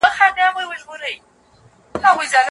د مشرانو درناوی بدن ته سکون ورکوي